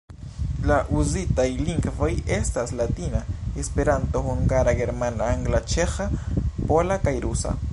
La uzitaj lingvoj estas: latina, Esperanto, hungara, germana, angla, ĉeĥa, pola kaj rusa.